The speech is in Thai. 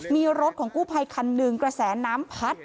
มีรถของกู้ภัยคันหนึ่งกระแสน้ำพัด